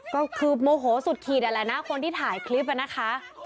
ก็คือโมโหสุดขีดอะแหละนะคนที่ถ่ายคลิปอะนะคะ